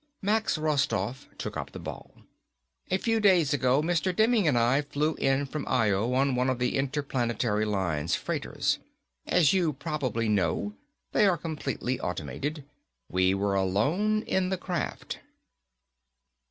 Max Rostoff took up the ball. "A few days ago, Mr. Demming and I flew in from Io on one of the Interplanetary Lines freighters. As you probably know, they are completely automated. We were alone in the craft."